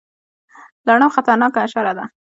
لړم خطرناکه حشره ده